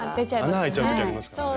穴開いちゃう時ありますからね。